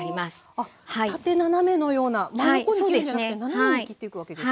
あ縦斜めのような真横に切るんじゃなくて斜めに切っていくわけですか？